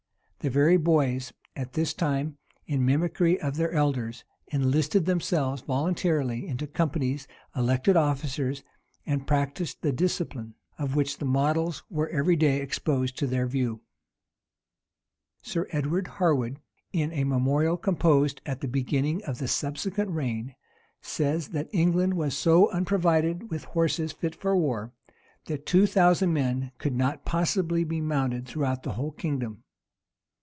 The very boys, at this time, in mimicry of their elders, enlisted themselves voluntarily into companies, elected officers, and practised the discipline, of which the models were every day exposed to their view.[] Sir Edward Harwood, In a memorial composed at the beginning of the subsequent reign, says, that England was so unprovided with horses fit for war, that two thousand men could not possibly be mounted throughout the whole kingdom.